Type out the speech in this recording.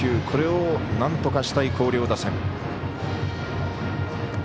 これをなんとかしたい広陵打線。